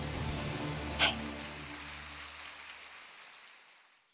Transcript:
はい。